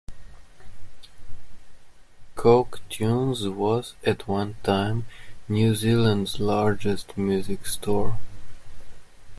Coke Tunes was, at one time, New Zealand's largest music store.